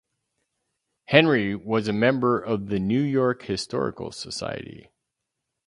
Henry was a member of the New-York Historical Society.